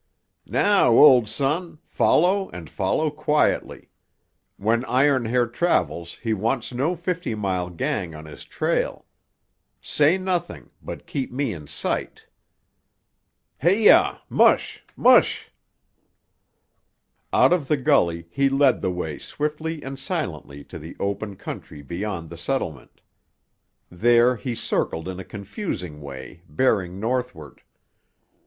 "Now, old son, follow and follow quietly. When Iron Hair travels he wants no Fifty Mile gang on his trail. Say nothing, but keep me in sight. Heyah, mush, mush!" Out of the gully he led the way swiftly and silently to the open country beyond the settlement. There he circled in a confusing way, bearing northward.